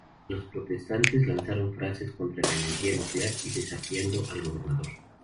Los protestantes lanzaron frases contra la energía nuclear y desafiando al gobernador.